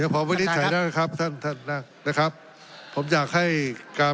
เดี๋ยวผมวิจฉัยได้เลยครับท่านท่านน่ะนะครับผมอยากให้การ